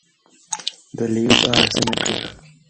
The leaves are asymmetrical.